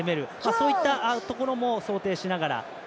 そういったところも想定しながら。